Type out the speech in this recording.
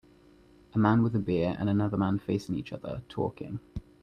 A man with a beer and another man facing each other, talking.